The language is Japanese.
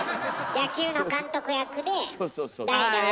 野球の監督役で「代打、オレ」。